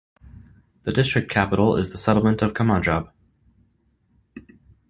The district capital is the settlement of Kamanjab.